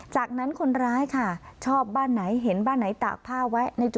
จากนั้นคนร้ายค่ะชอบบ้านไหนเห็นบ้านไหนตากผ้าไว้ในจุด